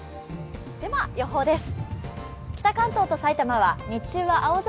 では、予報です。